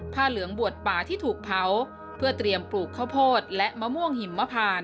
เหลืองบวชป่าที่ถูกเผาเพื่อเตรียมปลูกข้าวโพดและมะม่วงหิมมะพาน